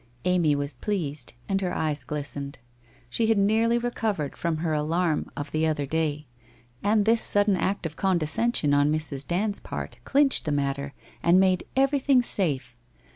Amy was pleased, and her eyes glistened. She had nearly recovered from her alarm of the other day, and this sudden act of condescension on Mrs. Dand's part clinched the matter and made everything safe.